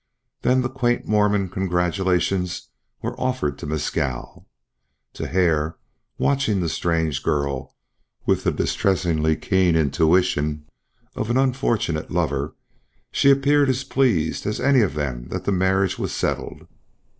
Then the quaint Mormon congratulations were offered to Mescal. To Hare, watching the strange girl with the distressingly keen intuition of an unfortunate lover, she appeared as pleased as any of them that the marriage was settled.